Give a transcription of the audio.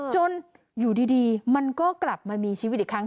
อยู่ดีมันก็กลับมามีชีวิตอีกครั้ง